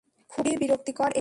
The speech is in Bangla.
খুবই বিরক্তিকর এটা!